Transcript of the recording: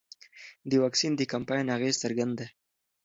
د واکسین د کمپاین اغېز څرګند دی.